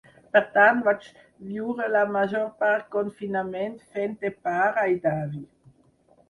Per tant, vaig viure la major part confinament fent de pare i d’avi.